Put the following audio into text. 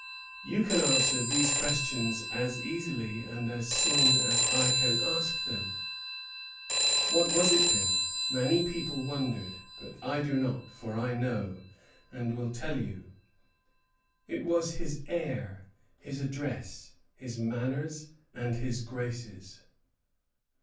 You can answer these questions as easily and as soon as I can ask them. What was it then? Many people wondered; but I do not, for I know, and will tell you, it was his air, his address, his manners, and his graces."